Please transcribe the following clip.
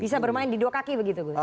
bisa bermain di dua kaki begitu gus